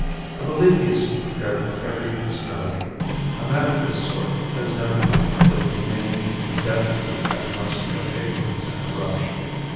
I believe he is prepared for every extremity. A man of his sort has never contemplated remaining indefinitely at the mercy of ignorance and corruption.